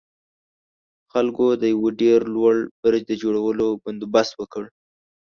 خلکو د يوه ډېر لوړ برج د جوړولو بندوبست وکړ.